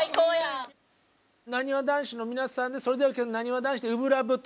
なにわ男子の皆さんでそれではなにわ男子で「初心ＬＯＶＥ」と。